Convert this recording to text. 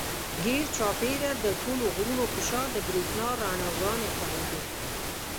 ګېر چاپېره د ټولو غرونو پۀ شا د برېښنا رڼاګانې خورېدې